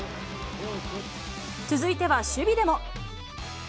続いては守備でも。